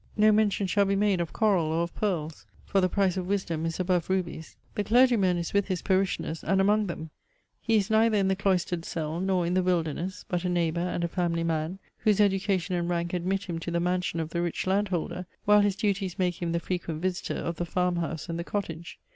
No mention shall be made of coral, or of pearls: for the price of wisdom is above rubies. The clergyman is with his parishioners and among them; he is neither in the cloistered cell, nor in the wilderness, but a neighbour and a family man, whose education and rank admit him to the mansion of the rich landholder, while his duties make him the frequent visitor of the farmhouse and the cottage.